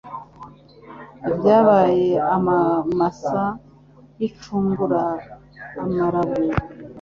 Ibyaye amamasa yicungura amarago